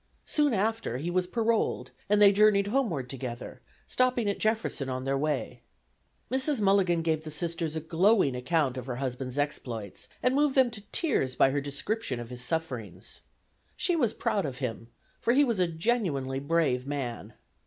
Soon after he was paroled, and they journeyed homeward together, stopping at Jefferson on their way. Mrs. Mulligan gave the Sisters a glowing account of her husband's exploits, and moved them to tears by her description of his sufferings. She was proud of him, for he was a genuinely brave man.